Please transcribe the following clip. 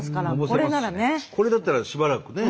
これだったらしばらくね。